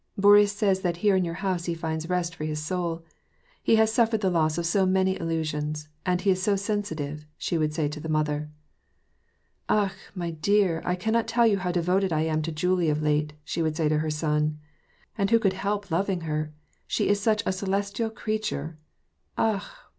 " Boris says that here in your house he finds rest for his soul. He has suffered the loss of so many illusions, and he is 80 sensitive," she would say to the mother. " Akh ! my dear, I cannot tell you how devoted I am to Julie of late," she would say to her son. " And who could help loving her ? She is such a celestial creature ! Akh